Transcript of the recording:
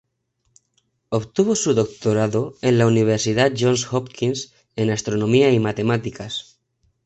Obtuvo su Doctorado en la Universidad Johns Hopkins en astronomía y matemáticas.